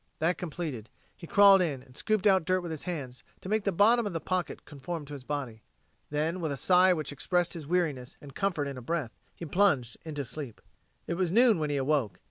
That completed, he crawled in and scooped out dirt with his hands, to make the bottom of the pocket conform to his body. Then, with a sigh which expressed his weariness and comfort in a breath, he plunged into sleep. It was noon when he awoke.